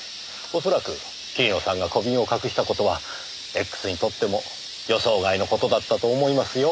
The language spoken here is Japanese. おそらく桐野さんが小瓶を隠した事はＸにとっても予想外の事だったと思いますよ。